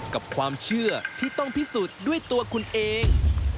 กับความเชื่อที่ต้องพิสูจน์ด้วยตัวคุณเอง